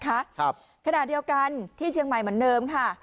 ครับขณะเดียวกันที่เชียงใหม่เหมือนเดิมค่ะ